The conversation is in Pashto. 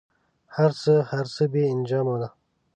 هر څه، هر څه بې انجامه